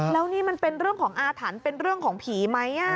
แล้วนี่มันเป็นเรื่องของอาถรรพ์เป็นเรื่องของผีไหม